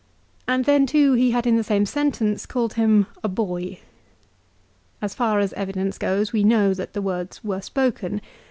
And then too he had in the same sentence called him a boy. As far as evidence goes we know that the words were spoken.